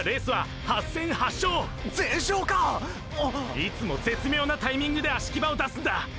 いつも絶妙なタイミングで葦木場を出すんだ！